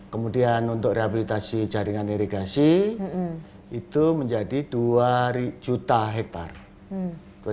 kemudian untuk rehabilitasi jaringan irigasi itu menjadi dua juta hektare